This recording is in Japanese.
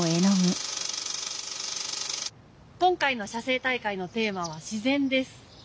今回の写生大会のテーマは「自然」です。